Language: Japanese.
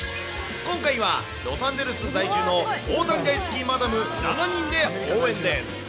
今回はロサンゼルス在住の大谷大好きマダム７人で応援です。